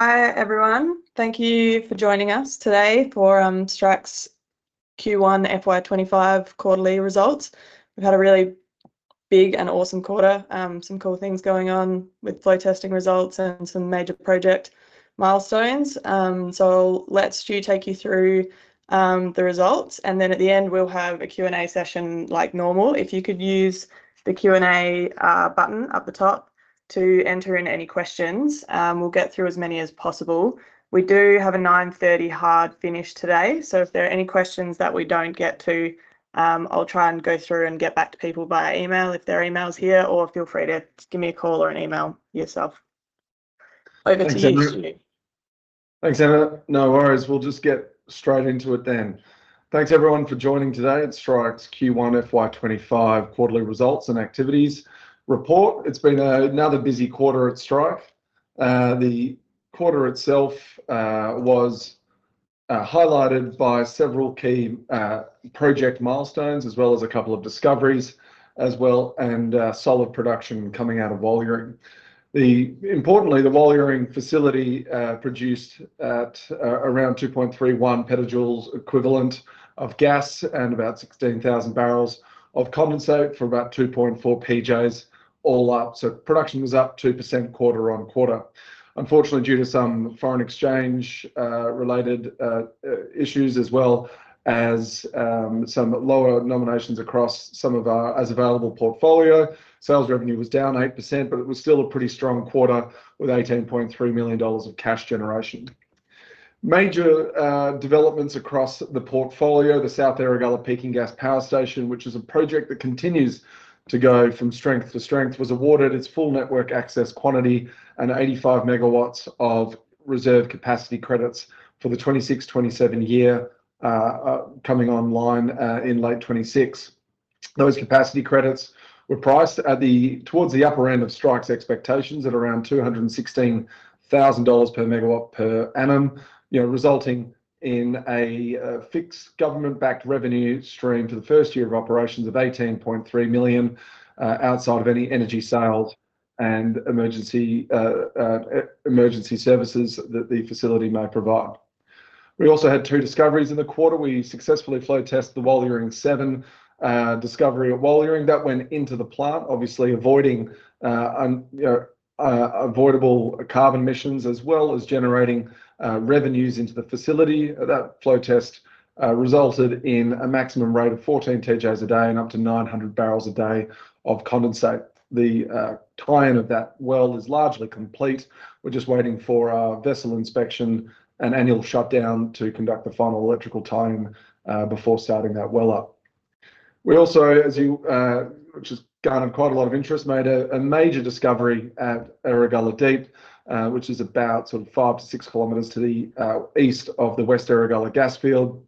Hi, everyone. Thank you for joining us today for Strike's Q1 FY 2025 quarterly results. We've had a really big and awesome quarter, some cool things going on with flow testing results and some major project milestones. So I'll let Stu take you through the results, and then at the end we'll have a Q&A session like normal. If you could use the Q&A button at the top to enter in any questions, we'll get through as many as possible. We do have a 9:30 A.M. hard finish today, so if there are any questions that we don't get to, I'll try and go through and get back to people via email, if their email's here, or feel free to give me a call or an email yourself. Over to you, Stu. Thanks, Emma. No worries. We'll just get straight into it then. Thanks, everyone, for joining today at Strike's Q1 FY 2025 quarterly results and activities report. It's been another busy quarter at Strike. The quarter itself was highlighted by several key project milestones, as well as a couple of discoveries, as well, and solid production coming out of Walyering. Importantly, the Walyering facility produced at around 2.31 petajoules equivalent of gas and about 16,000 barrels of condensate for about 2.4 PJs all up. So production was up 2% quarter on quarter. Unfortunately, due to some foreign exchange related issues, as well as some lower nominations across some of our as-available portfolio, sales revenue was down 8%, but it was still a pretty strong quarter, with 18.3 million dollars of cash generation. Major developments across the portfolio, the South Erregulla Peaking Gas Power Station, which is a project that continues to go from strength to strength, was awarded its full network access quantity and 85 MW of reserve capacity credits for the 2026, 2027 year, coming online in late 2026. Those capacity credits were priced towards the upper end of Strike's expectations, at around 216,000 dollars per megawatt per annum. You know, resulting in a fixed government-backed revenue stream for the first year of operations of 18.3 million outside of any energy sales and emergency services that the facility may provide. We also had two discoveries in the quarter. We successfully flow tested the Walyering-7 discovery at Walyering. That went into the plant, obviously avoiding, you know, avoidable carbon emissions, as well as generating revenues into the facility. That flow test resulted in a maximum rate of 14 TJs a day and up to 900 barrels a day of condensate. The tie-in of that well is largely complete. We're just waiting for our vessel inspection and annual shutdown to conduct the final electrical tie-in before starting that well up. We also, as you... Which has garnered quite a lot of interest, made a major discovery at Erregulla Deep, which is about sort of 5 km-6 km to the east of the West Erregulla Gas Field.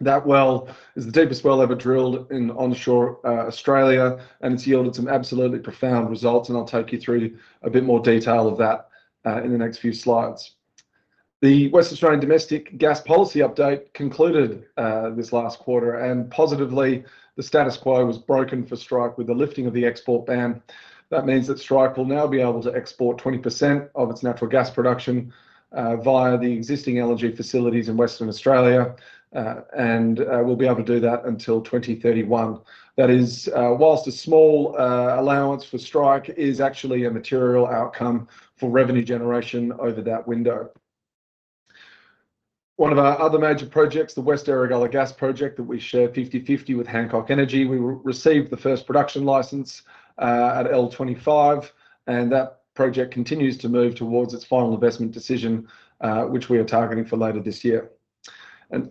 That well is the deepest well ever drilled in onshore Australia, and it's yielded some absolutely profound results, and I'll take you through a bit more detail of that in the next few slides. The Western Australian Domestic Gas Policy update concluded this last quarter, and positively, the status quo was broken for Strike with the lifting of the export ban. That means that Strike will now be able to export 20% of its natural gas production via the existing LNG facilities in Western Australia, and we'll be able to do that until 2031. That is, while a small, allowance for Strike, is actually a material outcome for revenue generation over that window. One of our other major projects, the West Erregulla Gas Project, that we share fifty-fifty with Hancock Energy, we received the first production license, at L25, and that project continues to move towards its final investment decision, which we are targeting for later this year. And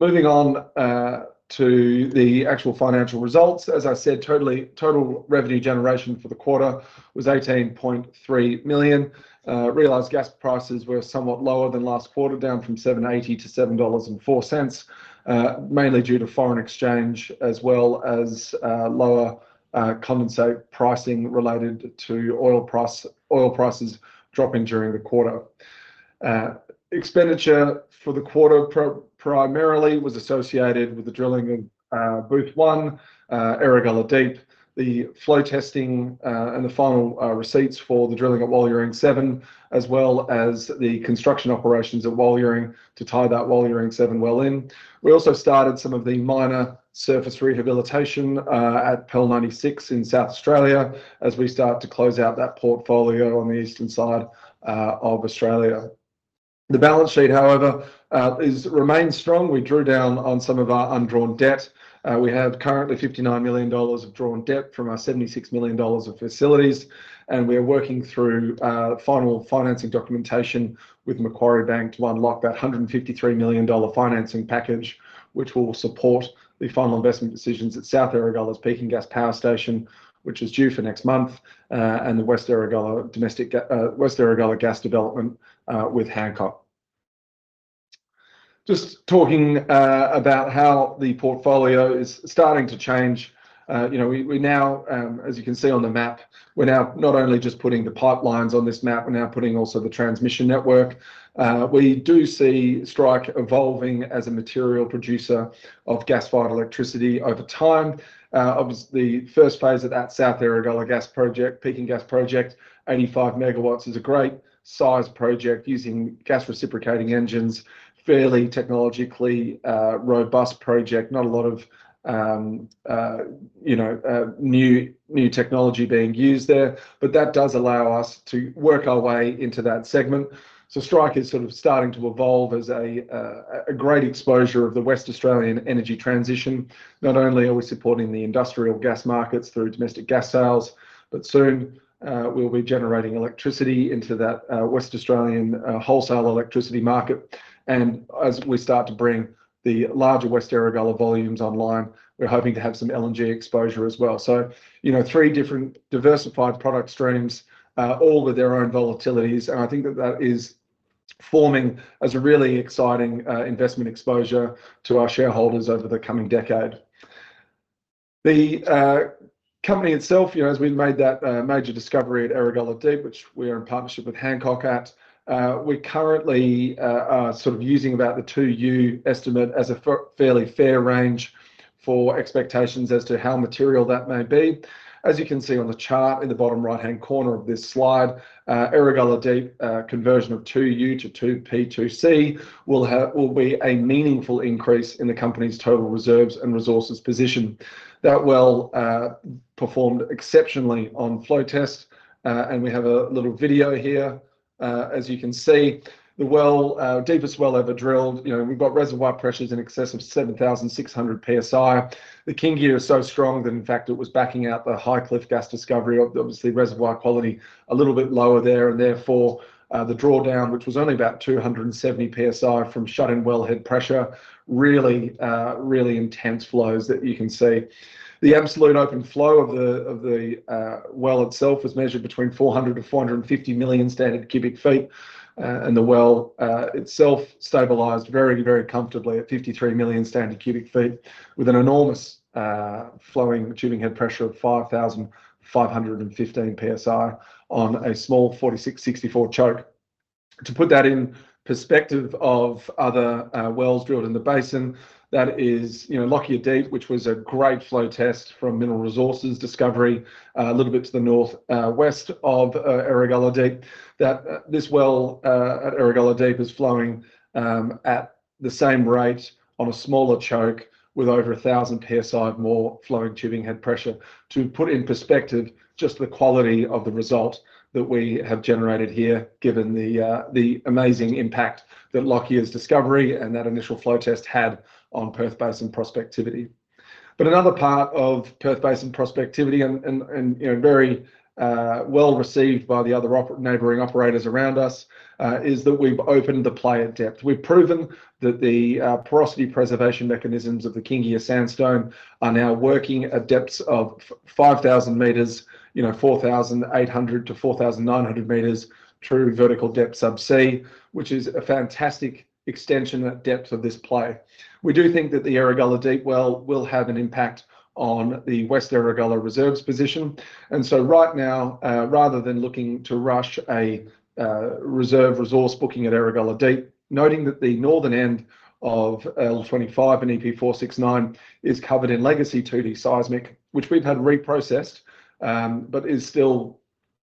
moving on, to the actual financial results, as I said, total revenue generation for the quarter was 18.3 million. Realized gas prices were somewhat lower than last quarter, down from 7.80 to 7.04 dollars, mainly due to foreign exchange as well as, lower, condensate pricing related to oil prices dropping during the quarter. Expenditure for the quarter primarily was associated with the drilling in Booth-1, Erregulla Deep, the flow testing, and the final receipts for the drilling at Walyering-7, as well as the construction operations at Walyering to tie that Walyering-7 well in. We also started some of the minor surface rehabilitation at PEL 96 in South Australia, as we start to close out that portfolio on the eastern side of Australia. The balance sheet, however, remains strong. We drew down on some of our undrawn debt. We have currently 59 million dollars of drawn debt from our 76 million dollars of facilities, and we are working through final financing documentation with Macquarie Bank to unlock that 153 million dollar financing package, which will support the final investment decisions at South Erregulla's Peaking Gas Power Station, which is due for next month, and the West Erregulla Gas Project with Hancock Energy. Just talking about how the portfolio is starting to change. You know, we, we now, as you can see on the map, we're now not only just putting the pipelines on this map, we're now putting also the transmission network. We do see Strike evolving as a material producer of gas-fired electricity over time. Obviously, the first phase of that South Erregulla gas project, peaking gas project, 85 MW is a great size project using gas reciprocating engines. Fairly technologically robust project. Not a lot of, you know, new technology being used there, but that does allow us to work our way into that segment. So Strike is sort of starting to evolve as a great exposure of the West Australian energy transition. Not only are we supporting the industrial gas markets through domestic gas sales, but soon, we'll be generating electricity into that West Australian wholesale electricity market. And as we start to bring the larger West Erregulla volumes online, we're hoping to have some LNG exposure as well. So, you know, three different diversified product streams, all with their own volatilities, and I think that that is forming as a really exciting, investment exposure to our shareholders over the coming decade. The, company itself, you know, as we made that, major discovery at Erregulla Deep, which we are in partnership with Hancock at, we currently, are sort of using about the 2U estimate as a fairly fair range for expectations as to how material that may be. As you can see on the chart in the bottom right-hand corner of this slide, Erregulla Deep, conversion of 2U to 2P 2C will have... will be a meaningful increase in the company's total reserves and resources position. That well, performed exceptionally on flow test, and we have a little video here. As you can see, the well, deepest well ever drilled. You know, we've got reservoir pressures in excess of 7,600 psi. The Kingia is so strong that, in fact, it was backing out the High Cliff gas discovery. Obviously, reservoir quality a little bit lower there, and therefore, the drawdown, which was only about 270 psi from shut-in wellhead pressure. Really, really intense flows that you can see. The absolute open flow of the well itself was measured between 400 million-450 million scf. And the well itself stabilized very, very comfortably at 53 million scf, with an enormous flowing tubing head pressure of 5,515 psi on a small 46/64 choke. To put that in perspective of other wells drilled in the basin, that is, you know, Lockyer Deep, which was a great flow test from Mineral Resources discovery, a little bit to the northwest of Erregulla Deep, that this well at Erregulla Deep is flowing at the same rate on a smaller choke with over a thousand psi of more flowing tubing head pressure. To put in perspective, just the quality of the result that we have generated here, given the amazing impact that Lockyer's discovery and that initial flow test had on Perth Basin prospectivity. But another part of Perth Basin prospectivity and you know very well-received by the other neighboring operators around us is that we've opened the play at depth. We've proven that the porosity preservation mechanisms of the Kingia Sandstone are now working at depths of 5,000 m, you know, 4,800 m-4,900 m, true vertical depth subsea, which is a fantastic extension of depth of this play. We do think that the Erregulla Deep well will have an impact on the West Erregulla reserves position, and so right now, rather than looking to rush a reserve resource booking at Erregulla Deep, noting that the northern end of L25 and EP469 is covered in legacy 2D seismic, which we've had reprocessed, but is still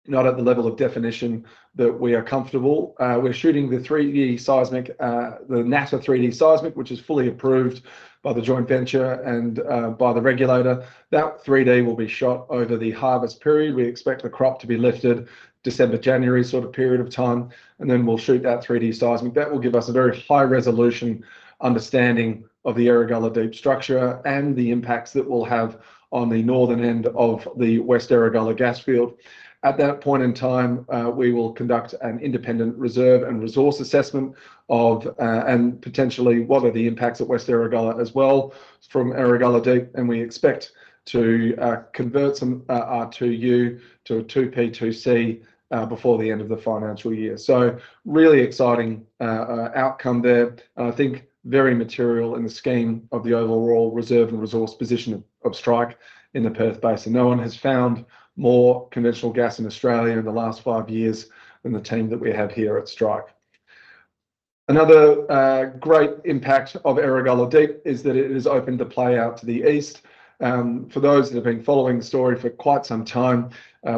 not at the level of definition that we are comfortable. We're shooting the 3D seismic, the Natta 3D seismic, which is fully approved by the joint venture and by the regulator. That 3D will be shot over the harvest period. We expect the crop to be lifted December, January, sort of period of time, and then we'll shoot that 3D seismic. That will give us a very high-resolution understanding of the Erregulla Deep structure and the impacts that we'll have on the northern end of the West Erregulla gas field. At that point in time, we will conduct an independent reserve and resource assessment of, and potentially what are the impacts at West Erregulla as well from Erregulla Deep, and we expect to convert some 2U to a 2P 2C, before the end of the financial year. So really exciting outcome there, and I think very material in the scheme of the overall reserve and resource position of Strike in the Perth Basin. No one has found more conventional gas in Australia in the last five years than the team that we have here at Strike. Another great impact of Erregulla Deep is that it has opened the play out to the east. For those that have been following the story for quite some time,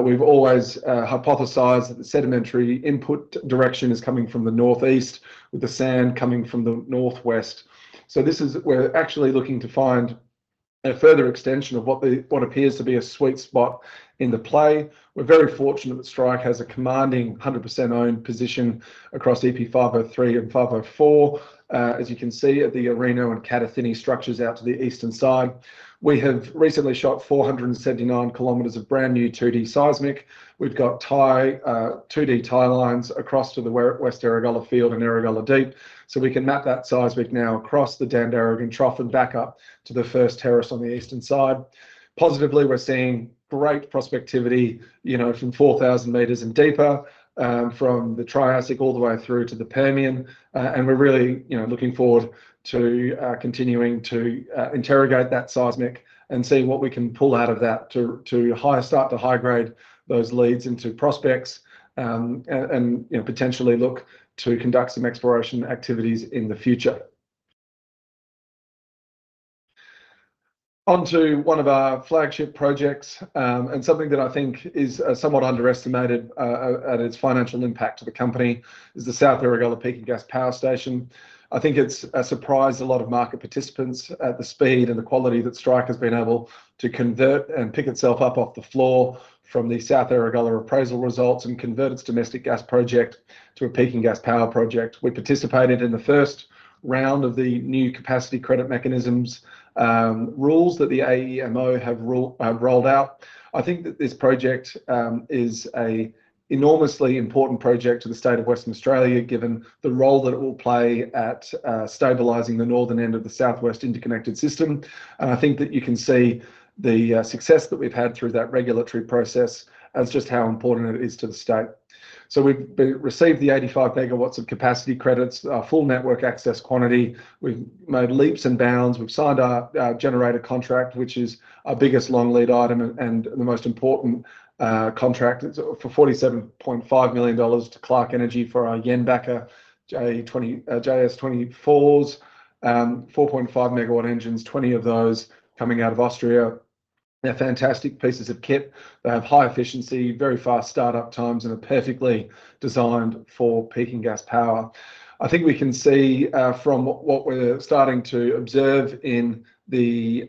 we've always hypothesized that the sedimentary input direction is coming from the northeast, with the sand coming from the northwest. So this is. We're actually looking to find a further extension of what the, what appears to be a sweet spot in the play. We're very fortunate that Strike has a commanding 100% owned position across EP503 and EP504. As you can see at the Arrino and Kadathinni structures out to the eastern side, we have recently shot four hundred and seventy-nine kilometers of brand-new 2D seismic. We've got tie, 2D tie lines across to the West Erregulla field and Erregulla Deep, so we can map that seismic now across the Dampier Trough and back up to the first terrace on the eastern side. Positively, we're seeing great prospectivity, you know, from 4,000 meters and deeper, from the Triassic all the way through to the Permian. And we're really, you know, looking forward to continuing to interrogate that seismic and seeing what we can pull out of that to high grade those leads into prospects, and, you know, potentially look to conduct some exploration activities in the future.... On to one of our flagship projects, and something that I think is somewhat underestimated at its financial impact to the company, is the South Erregulla Peaking Gas Power Station. I think it's surprised a lot of market participants at the speed and the quality that Strike has been able to convert and pick itself up off the floor from the South Erregulla appraisal results, and convert its domestic gas project to a peaking gas power project. We participated in the first round of the new capacity credit mechanisms, rules that the AEMO have rolled out. I think that this project is an enormously important project to the state of Western Australia, given the role that it will play at stabilizing the northern end of the South West Interconnected System. And I think that you can see the success that we've had through that regulatory process as just how important it is to the state. So we've received the 85 MW of capacity credits, a full network access quantity. We've made leaps and bounds. We've signed our generator contract, which is our biggest long lead item and the most important contract. It's for 47.5 million dollars to Clarke Energy for our Jenbacher J624s, 4.5 MW engines, 20 of those coming out of Austria. They're fantastic pieces of kit. They have high efficiency, very fast start-up times, and are perfectly designed for peaking gas power. I think we can see from what we're starting to observe in the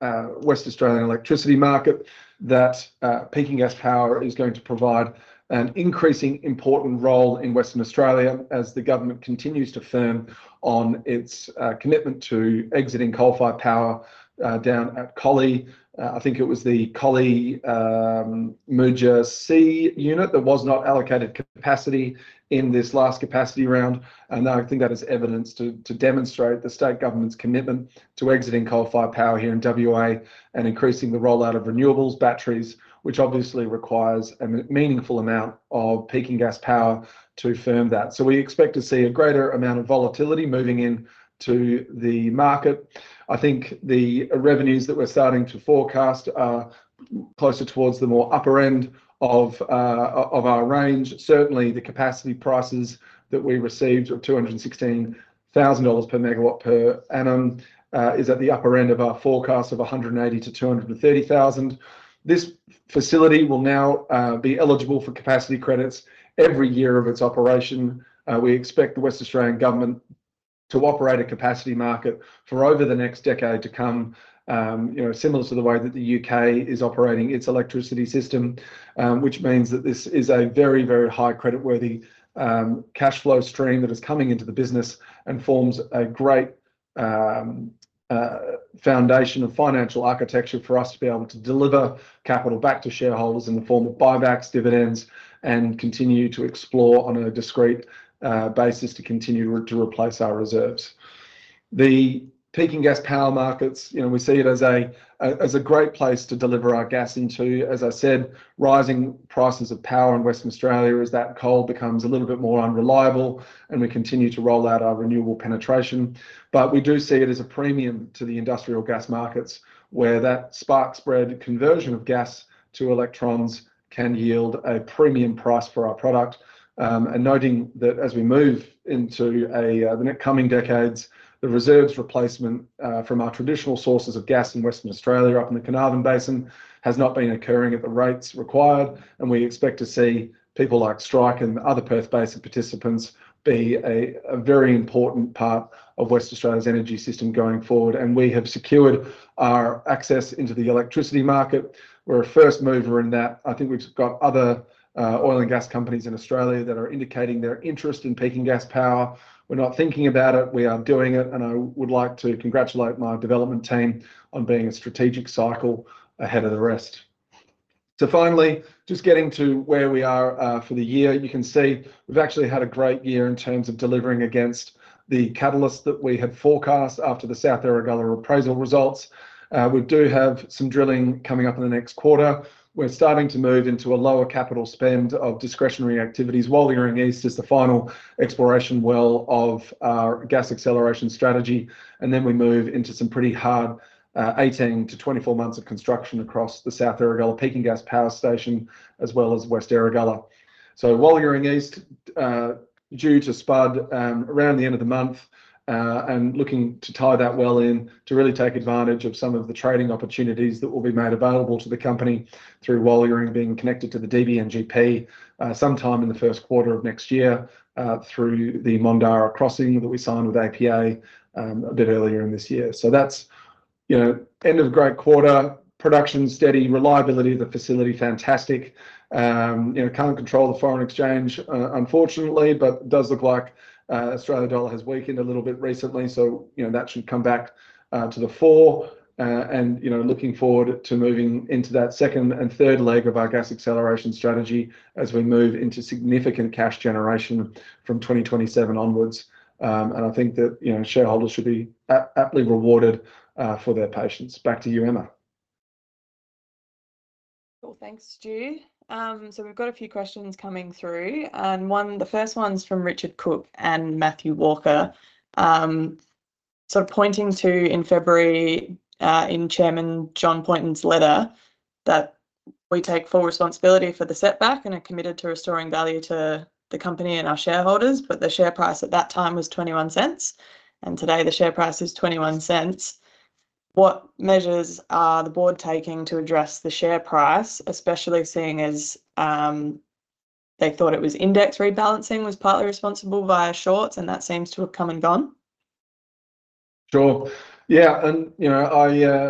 Western Australian electricity market that peaking gas power is going to provide an increasing important role in Western Australia as the government continues to firm on its commitment to exiting coal-fired power down at Collie. I think it was the Collie Muja C unit that was not allocated capacity in this last capacity round, and I think that is evidence to demonstrate the state government's commitment to exiting coal-fired power here in WA, and increasing the rollout of renewables, batteries, which obviously requires a meaningful amount of peaking gas power to firm that. So we expect to see a greater amount of volatility moving into the market. I think the revenues that we're starting to forecast are closer towards the more upper end of our range. Certainly, the capacity prices that we received of 216,000 dollars per megawatt per annum is at the upper end of our forecast of a 180,000-230,000. This facility will now be eligible for capacity credits every year of its operation. We expect the West Australian government to operate a capacity market for over the next decade to come, you know, similar to the way that the U.K. is operating its electricity system. Which means that this is a very, very high creditworthy cash flow stream that is coming into the business, and forms a great foundation of financial architecture for us to be able to deliver capital back to shareholders in the form of buybacks, dividends, and continue to explore on a discrete basis to continue to replace our reserves. The peaking gas power markets, you know, we see it as a great place to deliver our gas into. As I said, rising prices of power in Western Australia as that coal becomes a little bit more unreliable, and we continue to roll out our renewable penetration, but we do see it as a premium to the industrial gas markets, where that spark spread conversion of gas to electrons can yield a premium price for our product, and noting that as we move into the coming decades, the reserves replacement from our traditional sources of gas in Western Australia, up in the Carnarvon Basin, has not been occurring at the rates required, and we expect to see people like Strike and other Perth Basin participants be a very important part of West Australia's energy system going forward, and we have secured our access into the electricity market. We're a first mover in that. I think we've got other, oil and gas companies in Australia that are indicating their interest in peaking gas power. We're not thinking about it, we are doing it, and I would like to congratulate my development team on being a strategic cycle ahead of the rest. So finally, just getting to where we are, for the year. You can see we've actually had a great year in terms of delivering against the catalysts that we had forecast after the South Erregulla appraisal results. We do have some drilling coming up in the next quarter. We're starting to move into a lower capital spend of discretionary activities, while the Walyering East is the final exploration well of our gas acceleration strategy, and then we move into some pretty hard, 18-24 months of construction across the South Erregulla Peaking Gas Power Station, as well as West Erregulla. So while Walyering East, due to spud, around the end of the month, and looking to tie that well in, to really take advantage of some of the trading opportunities that will be made available to the company through Walyering being connected to the DBNGP, sometime in the first quarter of next year, through the Mondara crossing that we signed with APA, a bit earlier in this year. So that's, you know, end of a great quarter. Production, steady. Reliability of the facility, fantastic. You know, can't control the foreign exchange, unfortunately, but it does look like Australian dollar has weakened a little bit recently, so, you know, that should come back to the fore. You know, looking forward to moving into that second and third leg of our gas acceleration strategy as we move into significant cash generation from 2027 onwards. And I think that, you know, shareholders should be aptly rewarded for their patience. Back to you, Emma. Cool. Thanks, Stu. So we've got a few questions coming through, and one. The first one's from Richard Cook and Matthew Walker.... Pointing to in February, in Chairman John Poynton's letter, that we take full responsibility for the setback and are committed to restoring value to the company and our shareholders, but the share price at that time was 0.21, and today the share price is 0.21. What measures are the board taking to address the share price, especially seeing as they thought it was index rebalancing was partly responsible via shorts, and that seems to have come and gone? Sure. Yeah, and, you know, I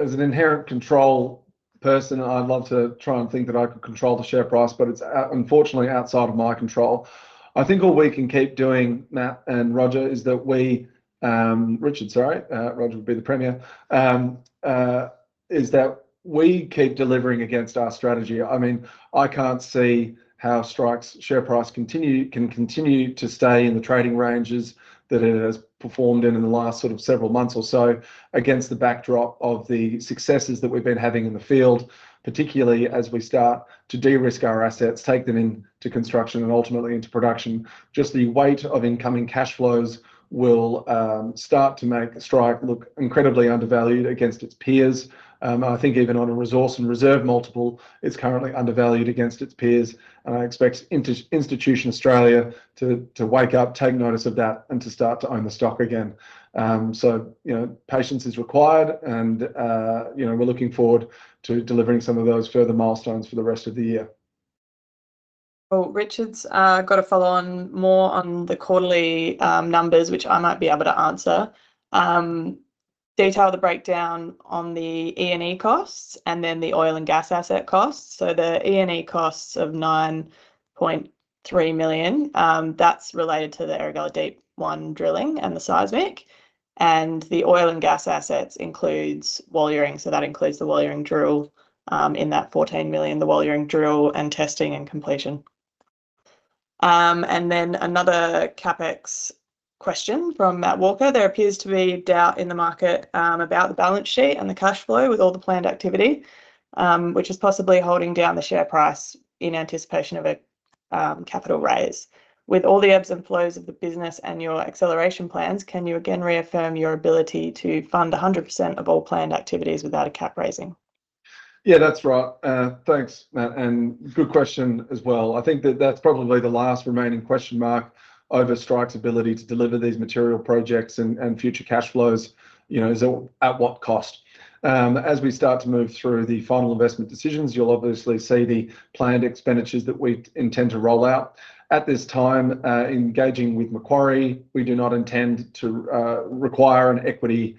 as an inherent control person, I'd love to try and think that I could control the share price, but it's out, unfortunately, outside of my control. I think all we can keep doing, Matt and Richard, is that we keep delivering against our strategy. I mean, I can't see how Strike's share price continue, can continue to stay in the trading ranges that it has performed in, in the last sort of several months or so against the backdrop of the successes that we've been having in the field, particularly as we start to de-risk our assets, take them into construction, and ultimately into production. Just the weight of incoming cash flows will start to make Strike look incredibly undervalued against its peers. I think even on a resource and reserve multiple, it's currently undervalued against its peers, and I expect institutional Australia to wake up, take notice of that, and to start to own the stock again, so you know, patience is required, and you know, we're looking forward to delivering some of those further milestones for the rest of the year. Richard's got a follow on more on the quarterly numbers, which I might be able to answer. Detail the breakdown on the E&E costs and then the oil and gas asset costs. The E&E costs of 9.3 million, that's related to the Erregulla Deep-1 drilling and the seismic, and the oil and gas assets includes Walyering, so that includes the Walyering drill in that 14 million, and testing, and completion. Then another CapEx question from Matthew Walker. There appears to be doubt in the market about the balance sheet and the cash flow with all the planned activity, which is possibly holding down the share price in anticipation of a capital raise. With all the ebbs and flows of the business and your acceleration plans, can you again reaffirm your ability to fund 100% of all planned activities without a cap raising? Yeah, that's right. Thanks, Matt, and good question as well. I think that that's probably the last remaining question mark over Strike's ability to deliver these material projects and, and future cash flows, you know, is at what cost? As we start to move through the final investment decisions, you'll obviously see the planned expenditures that we intend to roll out. At this time, engaging with Macquarie, we do not intend to require an equity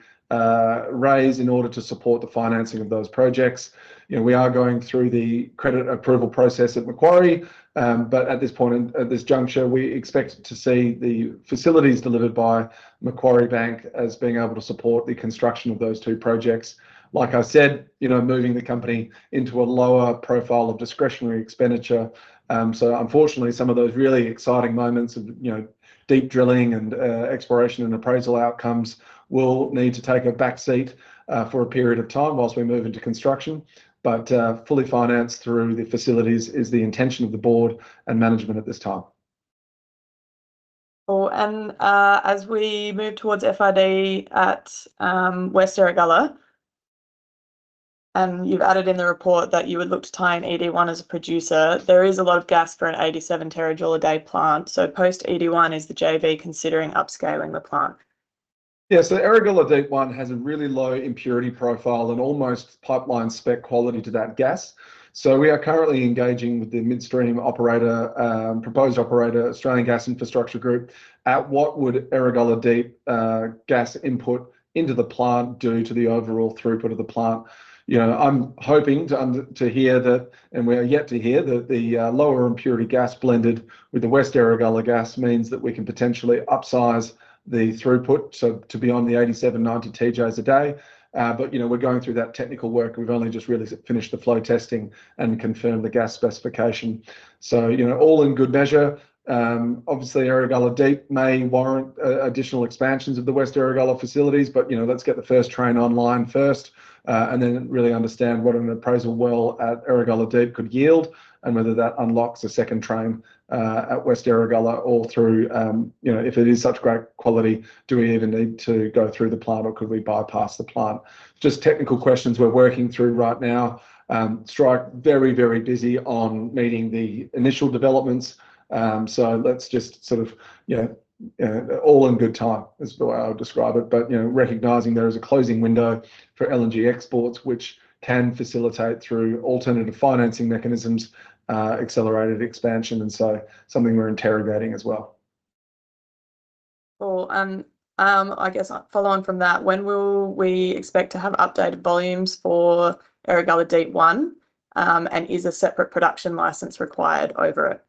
raise in order to support the financing of those projects. You know, we are going through the credit approval process at Macquarie, but at this point, at this juncture, we expect to see the facilities delivered by Macquarie Bank as being able to support the construction of those two projects. Like I said, you know, moving the company into a lower profile of discretionary expenditure, so unfortunately, some of those really exciting moments of, you know, deep drilling and exploration and appraisal outcomes will need to take a back seat for a period of time whilst we move into construction, but fully financed through the facilities is the intention of the board and management at this time. Cool. And, as we move towards FID at West Erregulla, and you've added in the report that you would look to tie in Booth-1 as a producer, there is a lot of gas for an 87-terajoule-a-day plant, so post Booth-1, is the JV considering upscaling the plant? Yeah. So Erregulla Deep-1 has a really low impurity profile and almost pipeline spec quality to that gas. So we are currently engaging with the midstream operator, proposed operator, Australian Gas Infrastructure Group, at what would Erregulla Deep gas input into the plant do to the overall throughput of the plant? You know, I'm hoping to hear that, and we are yet to hear that the lower impurity gas blended with the West Erregulla gas means that we can potentially upsize the throughput, so to beyond the 87-90 TJs a day. But, you know, we're going through that technical work. We've only just really finished the flow testing and confirmed the gas specification. So, you know, all in good measure, obviously, Erregulla Deep may warrant additional expansions of the West Erregulla facilities, but, you know, let's get the first train online first, and then really understand what an appraisal well at Erregulla Deep could yield, and whether that unlocks a second train at West Erregulla or through, you know, if it is such great quality, do we even need to go through the plant or could we bypass the plant? Just technical questions we're working through right now. Strike, very, very busy on meeting the initial developments. So let's just sort of, you know, all in good time, is the way I would describe it, but, you know, recognizing there is a closing window for LNG exports, which can facilitate through alternative financing mechanisms, accelerated expansion, and so something we're interrogating as well. Cool. I guess follow on from that, when will we expect to have updated volumes for Erregulla Deep-1, and is a separate production license required over it? ...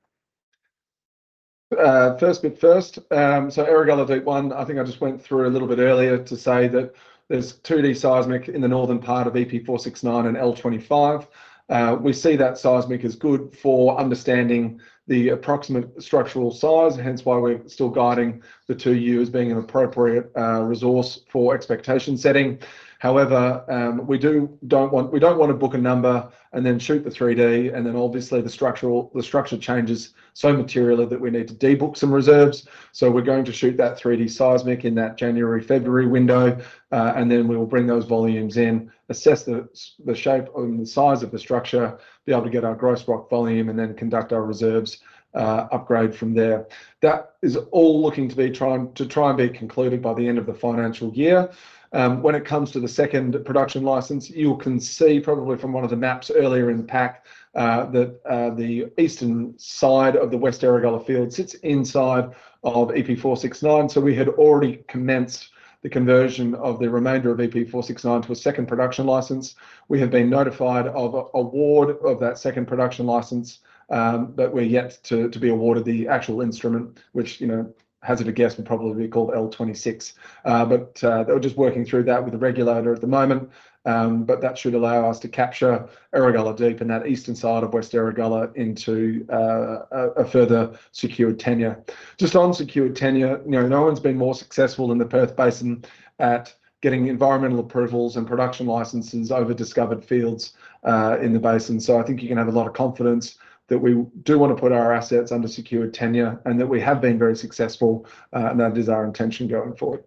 First but first, so Erregulla Deep-1, I think I just went through a little bit earlier to say that there's 2D seismic in the northern part of EP469 and L25. We see that seismic is good for understanding the approximate structural size, hence why we're still guiding the 2U being an appropriate resource for expectation setting. However, we don't want to book a number and then shoot the 3D, and then obviously the structure changes so materially that we need to debook some reserves. We're going to shoot that 3D seismic in that January-February window, and then we will bring those volumes in, assess the shape and the size of the structure, be able to get our gross rock volume, and then conduct our reserves upgrade from there. That is all looking to be trying, to try and be concluded by the end of the financial year. When it comes to the second production license, you can see probably from one of the maps earlier in the pack, that the eastern side of the West Erregulla field sits inside of EP469. So we had already commenced the conversion of the remainder of EP469 to a second production license. We have been notified of award of that second production license, but we're yet to be awarded the actual instrument, which, you know, hazard a guess would probably be called L26. But they're just working through that with the regulator at the moment. But that should allow us to capture Erregulla Deep in that eastern side of West Erregulla into a further secured tenure. Just on secured tenure, you know, no one's been more successful in the Perth Basin at getting environmental approvals and production licenses over discovered fields in the basin. So I think you can have a lot of confidence that we do want to put our assets under secured tenure, and that we have been very successful, and that is our intention going forward.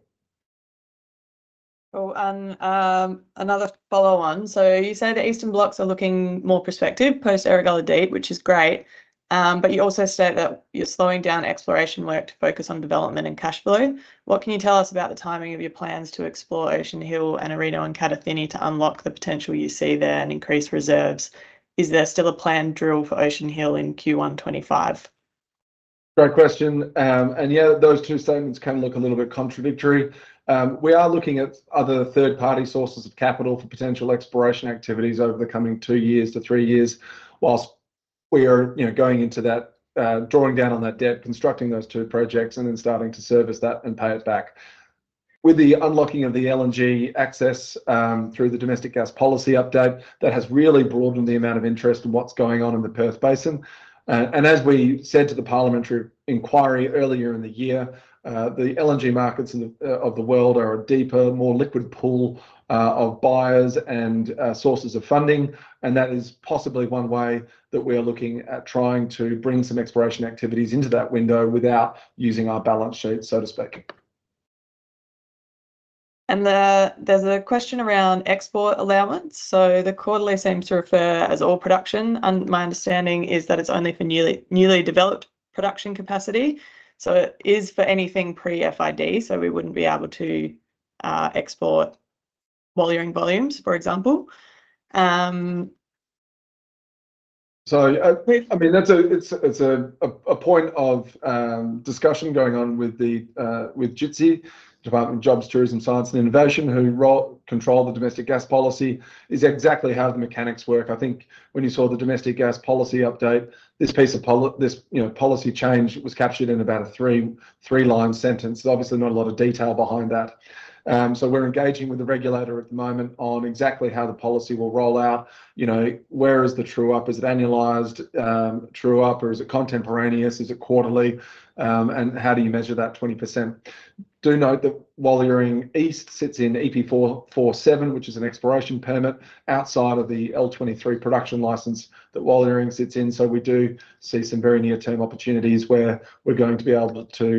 Another follow on. You say the eastern blocks are looking more prospective, post Erregulla Deep, which is great, but you also state that you're slowing down exploration work to focus on development and cash flow. What can you tell us about the timing of your plans to explore Ocean Hill and Arrino and Kadathinni to unlock the potential you see there and increase reserves? Is there still a planned drill for Ocean Hill in Q1 2025? Great question, and yeah, those two statements can look a little bit contradictory. We are looking at other third-party sources of capital for potential exploration activities over the coming two years to three years, while we are, you know, going into that, drawing down on that debt, constructing those two projects, and then starting to service that and pay it back. With the unlocking of the LNG access, through the domestic gas policy update, that has really broadened the amount of interest in what's going on in the Perth Basin. As we said to the parliamentary inquiry earlier in the year, the LNG markets in the world are a deeper, more liquid pool of buyers and sources of funding, and that is possibly one way that we are looking at trying to bring some exploration activities into that window without using our balance sheet, so to speak. There's a question around export allowance. So the quarterly seems to refer as all production, and my understanding is that it's only for newly developed production capacity. So it is for anything pre-FID, so we wouldn't be able to export while nearing volumes, for example. I mean, that's a point of discussion going on with DJTSI, Department of Jobs, Tourism, Science and Innovation, who control the domestic gas policy, is exactly how the mechanics work. I think when you saw the domestic gas policy update, this, you know, policy change was captured in about a three-line sentence. Obviously, not a lot of detail behind that. We're engaging with the regulator at the moment on exactly how the policy will roll out. You know, where is the true-up? Is it annualized? True-up or is it contemporaneous? Is it quarterly? And how do you measure that 20%? Do note that while Walyering East sits in EP447, which is an exploration permit outside of the L23 production license, that while Walyering sits in, so we do see some very near-term opportunities where we're going to be able to,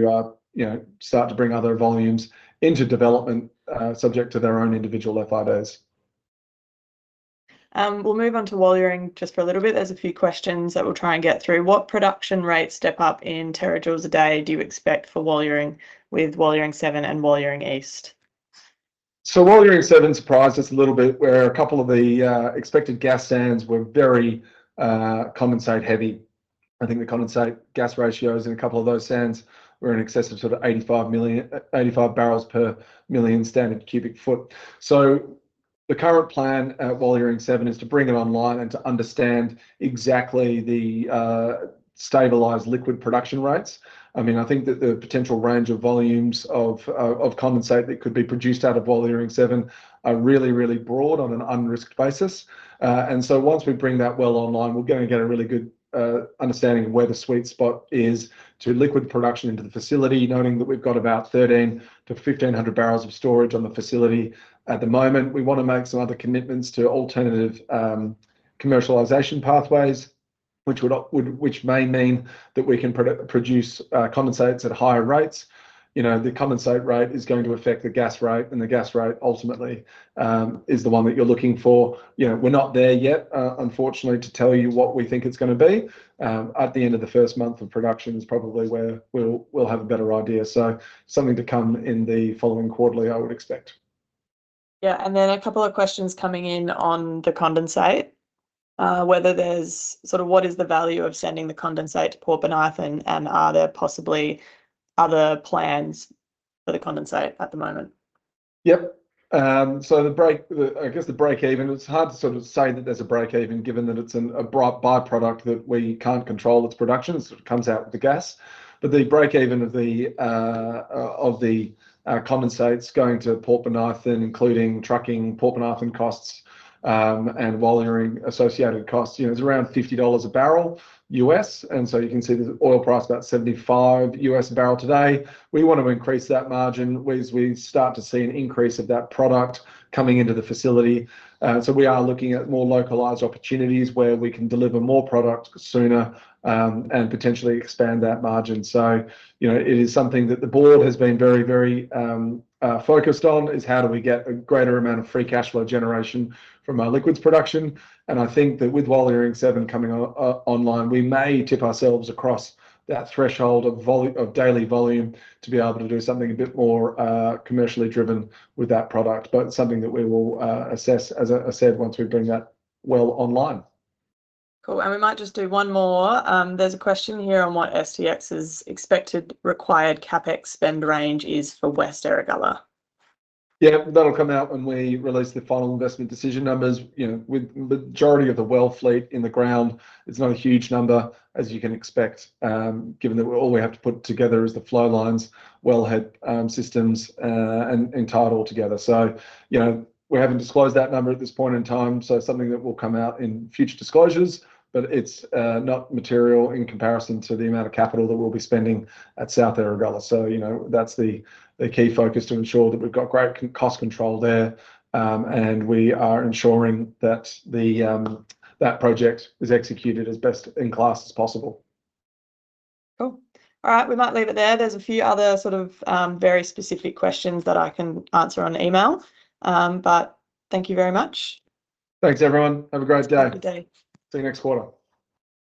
you know, start to bring other volumes into development, subject to their own individual FIDs. We'll move on to Walyering just for a little bit. There's a few questions that we'll try and get through. What production rates step up in terajoules a day do you expect for Walyering with Walyering-7 and Walyering East? So Walyering-7 surprised us a little bit, where a couple of the expected gas sands were very condensate heavy. I think the condensate gas ratios in a couple of those sands were in excess of sort of 85 barrels per million standard cubic foot. So the current plan at Walyering-7 is to bring it online and to understand exactly the stabilized liquid production rates. I mean, I think that the potential range of volumes of condensate that could be produced out of Walyering-7 are really, really broad on an unrisked basis. And so once we bring that well online, we're going to get a really good understanding of where the sweet spot is to liquid production into the facility, knowing that we've got about 1,300-1,500 barrels of storage on the facility at the moment. We want to make some other commitments to alternative commercialization pathways, which would, which may mean that we can produce condensates at higher rates. You know, the condensate rate is going to affect the gas rate, and the gas rate ultimately is the one that you're looking for. You know, we're not there yet, unfortunately, to tell you what we think it's gonna be. At the end of the first month of production is probably where we'll have a better idea. So something to come in the following quarterly, I would expect. Yeah, and then a couple of questions coming in on the condensate. Whether there's... Sort of what is the value of sending the condensate to Port Bonython, and are there possibly other plans for the condensate at the moment?... Yep. So the break even, it's hard to sort of say that there's a break even given that it's a by-product that we can't control its production. It sort of comes out with the gas. But the break even of the condensates going to Port Bonython, including trucking Port Bonython costs, and Walyering associated costs, you know, is around $50 a barrel U.S., and so you can see the oil price about $75 a barrel U.S. today. We want to increase that margin as we start to see an increase of that product coming into the facility. So we are looking at more localized opportunities where we can deliver more product sooner, and potentially expand that margin. So, you know, it is something that the board has been very, very, focused on, is how do we get a greater amount of free cash flow generation from our liquids production? And I think that with Walyering-7 coming online, we may tip ourselves across that threshold of daily volume to be able to do something a bit more, commercially driven with that product, but something that we will assess, as I said, once we're doing that well online. Cool. And we might just do one more. There's a question here on what STX's expected required CapEx spend range is for West Erregulla. Yeah, that'll come out when we release the final investment decision numbers. You know, with the majority of the well fleet in the ground, it's not a huge number, as you can expect, given that all we have to put together is the flow lines, wellhead systems, and tie it all together. So, you know, we haven't disclosed that number at this point in time, so something that will come out in future disclosures, but it's not material in comparison to the amount of capital that we'll be spending at South Erregulla. So, you know, that's the key focus to ensure that we've got great cost control there, and we are ensuring that that project is executed as best in class as possible. Cool. All right, we might leave it there. There's a few other sort of, very specific questions that I can answer on email. But thank you very much. Thanks, everyone. Have a great day. Have a good day. See you next quarter.